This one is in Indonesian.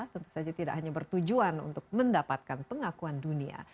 tentu saja tidak hanya bertujuan untuk mendapatkan pengakuan dunia